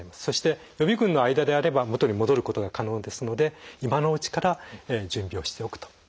そして予備群の間であれば元に戻ることが可能ですので今のうちから準備をしておくと。